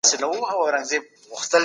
سالم ذهن جنجال نه جوړوي.